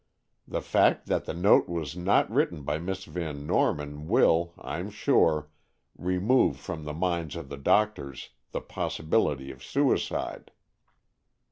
The fact that the note was not written by Miss Van Norman, will, I'm sure, remove from the minds of the doctors the possibility of suicide."